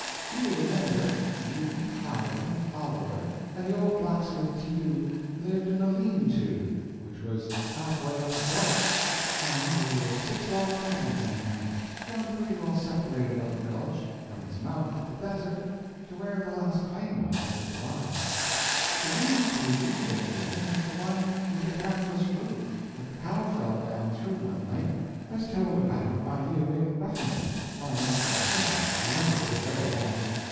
You will remember, you and Clagett and Oliver and the old blacksmith Tillou lived in a lean to which was half way up the gulch, and there were six log cabins in the camp strung pretty well separated up the gulch from its mouth at the desert to where the last claim was, at the divide. The lean to you lived in was the one with a canvas roof that the cow fell down through one night, as told about by you in Roughing It my uncle Simmons remembers it very well.